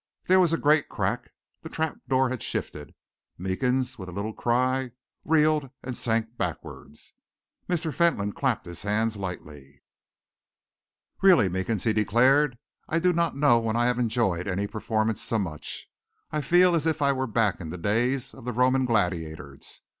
There was a great crack, the trap door had shifted. Meekins, with a little cry, reeled and sank backwards. Mr. Fentolin clapped his hands lightly. "Really, Meekins," he declared, "I do not know when I have enjoyed any performance so much. I feel as if I were back in the days of the Roman gladiators.